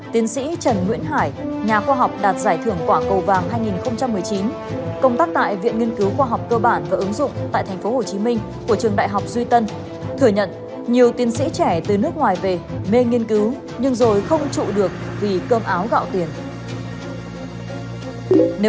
tiến sĩ trần nguyễn hải nhà khoa học đạt giải thưởng quả cầu vàng hai nghìn một mươi chín công tác tại viện nghiên cứu khoa học cơ bản và ứng dụng tại tp hcm của trường đại học duy tân thừa nhận nhiều tiến sĩ trẻ từ nước ngoài về mê nghiên cứu nhưng rồi không trụ được vì cơm áo gạo tiền